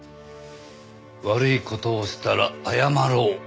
「悪い事をしたら謝ろう」。